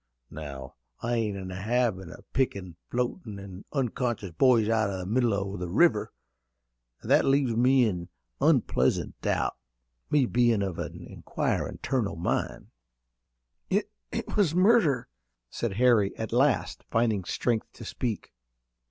Now, I ain't in the habit of pickin' floatin' an' unconscious boys out o' the middle o' the river, an' that leaves me in unpleasant doubt, me bein' of an inquirin' turn o' mind." "It was murder," said Harry, at last finding strength to speak.